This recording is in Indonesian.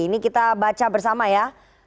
ini kita baca bersama ya